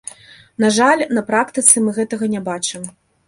На жаль, на практыцы мы гэтага не бачым.